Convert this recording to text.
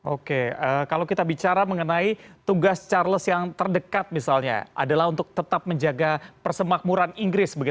oke kalau kita bicara mengenai tugas charles yang terdekat misalnya adalah untuk tetap menjaga persemakmuran inggris